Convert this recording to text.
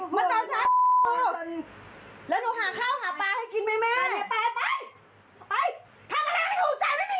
เหมือนจะผ่านไง